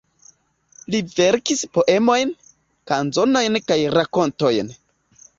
Li verkis poemojn, kanzonojn kaj rakontojn.